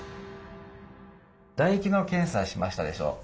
唾液の検査しましたでしょう？